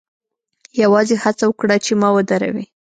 یوازې هڅه وکړه چې ما ودروې